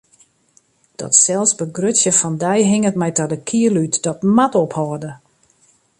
Dat selsbegrutsjen fan dy hinget my ta de kiel út, dat moat ophâlde!